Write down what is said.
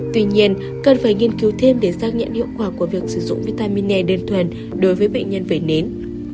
tuy nhiên cần phải nghiên cứu thêm để xác nhận hiệu quả của việc sử dụng vitamin net đơn thuần đối với bệnh nhân vẩy nến